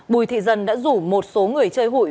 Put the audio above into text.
bùi thị dân đã rủ một số người chơi hụi